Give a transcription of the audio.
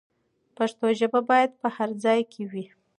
پښتو ژبه باید په هر ځای کې وي.